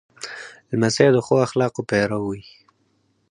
لمسی د ښو اخلاقو پیرو وي.